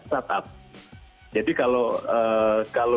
startup jadi kalau